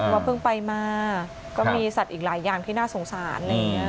ว่าเพิ่งไปมาก็มีสัตว์อีกหลายอย่างที่น่าสงสาร